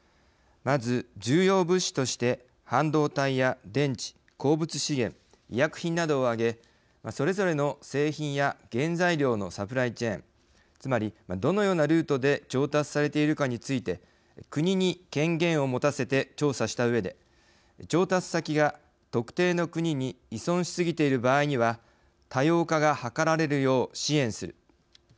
まず重要物資として半導体や電池、鉱物資源医薬品などを挙げそれぞれの製品や原材料のサプライチェーンつまりどのようなルートで調達されているかについて国に権限を持たせて調査したうえで調達先が特定の国に依存しすぎている場合には多様化が図られるよう支援する。